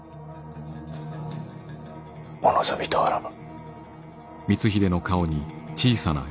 お望みとあらば。